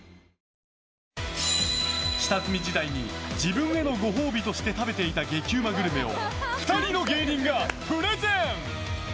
下積み時代に自分へのご褒美として食べていた激うまグルメを２人の芸人がプレゼン。